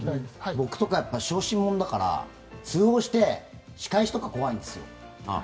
僕とかは小心者だから通報して仕返しとか怖いんですよ。